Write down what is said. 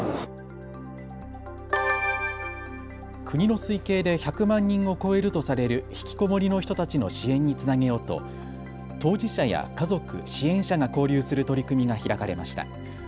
国の推計で１００万人を超えるとされるひきこもりの人たちの支援につなげようと当事者や家族、支援者が交流する取り組みが開かれました。